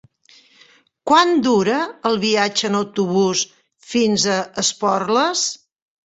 Quant dura el viatge en autobús fins a Esporles?